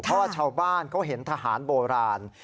เพราะว่าชาวบ้านเขาเห็นทหารโบราณ